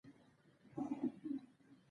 ځاي پر ځای به وي ولاړي ټولي ژرندي